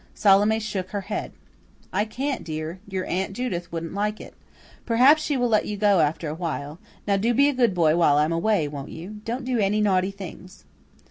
Salome shook her head. "I can't, dear. Your Aunt Judith wouldn't like it. Perhaps she will let you go after a while. Now do be a good boy while I am away, won't you? Don't do any naughty things."